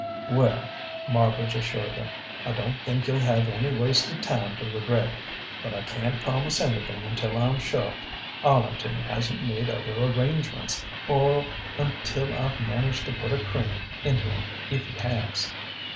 "Well," Marbridge assured her, "I don't think you'll have any wasted time to regret. But I can't promise anything until I'm sure Arlington hasn't made other arrangements, or until I've managed to put a crimp into 'em if he has."